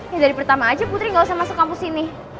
ya dari pertama aja putri gak usah masuk kampus ini